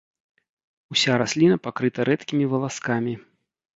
Уся расліна пакрыта рэдкімі валаскамі.